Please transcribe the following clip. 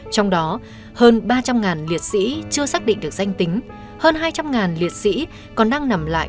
trong đó hơn ba trăm linh liệt sĩ chưa xác định được danh tính hơn hai trăm linh liệt sĩ còn đang nằm lại